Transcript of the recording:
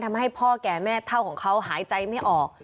ทำให้พ่อแก่แม่เท่าของเขาหายใจไม่ออก